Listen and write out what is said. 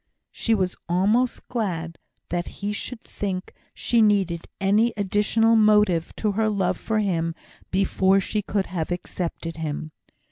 She was almost glad that he should think she needed any additional motive to her love for him before she could have accepted him.